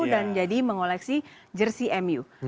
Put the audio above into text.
dan jadi mengoleksi jersi mu